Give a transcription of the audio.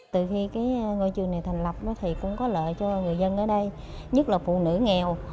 từ khi cái ngôi trường này thành lập thì cũng có lợi cho người dân ở đây nhất là phụ nữ nghèo